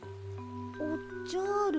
おっじゃる。